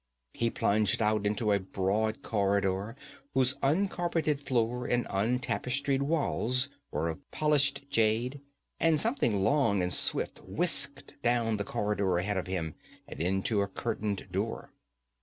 He plunged out into a broad corridor whose uncarpeted floor and untapestried walls were of polished jade, and something long and swift whisked down the corridor ahead of him, and into a curtained door.